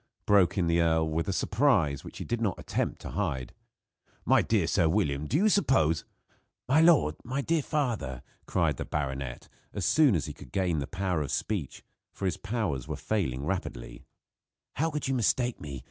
broke in the earl, with a surprise which he did not attempt to hide. "My dear Sir William, do you suppose " "My lord! My dear father !" cried the baronet, as soon as he could gain the power of speech for his powers were failing rapidly, "how could you mistake me?